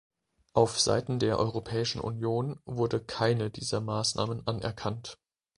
Auf Seiten der Europäischen Union wurde keine dieser Maßnahmen anerkannt.